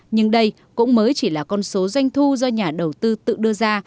nhưng đây cũng mới chỉ là con số doanh thu do nhà đầu tư tự đưa ra